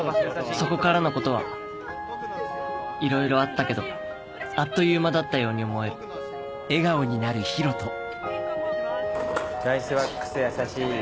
そこからのことはいろいろあったけどあっという間だったように思えるライスワックスやさしい。